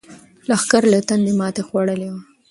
لښکر له تندې ماتې خوړلې وه.